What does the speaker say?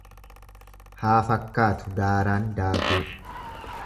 Haa fakkaatu daaraan daakuu.